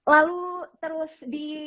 lalu terus di